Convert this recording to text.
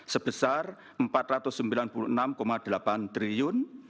sebesar rp empat ratus sembilan puluh enam delapan triliun